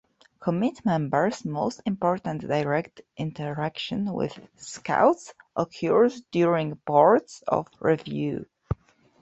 Committee members most important direct interaction with Scouts occurs during boards of review.